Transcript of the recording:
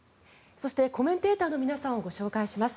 そして、コメンテーターの皆さんをご紹介します。